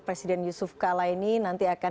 presiden yusuf kala ini nanti akan